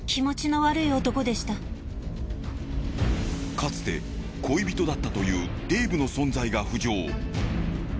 かつて恋人だったというデイブの存在が浮上。